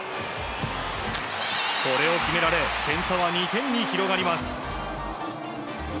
これを決められ点差は２点に広がります。